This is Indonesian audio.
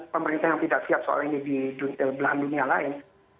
pemerintah yang tidak siap soal ini di belahan dunia lain